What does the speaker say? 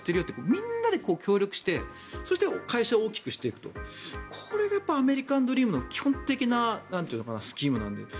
みんなで協力してそして、会社を大きくしていくとこれがアメリカンドリームの基本的なスキームなので。